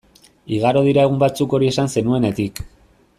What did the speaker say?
Igaro dira egun batzuk hori esan zenuenetik.